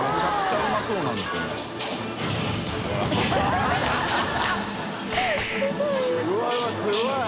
すごい。